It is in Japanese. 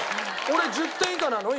俺１０点以下なの？